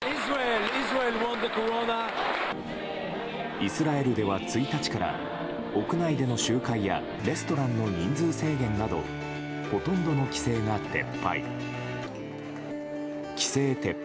イスラエルでは１日から屋内での集会や、レストランの人数制限などほとんどの規制が撤廃。